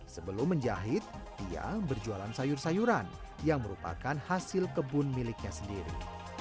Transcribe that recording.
sebelum menjahit ia berjualan sayur sayuran yang merupakan hasil kebun miliknya sendiri